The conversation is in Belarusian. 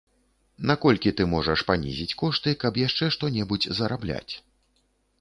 Наколькі ты можаш панізіць кошты, каб яшчэ што-небудзь зарабляць.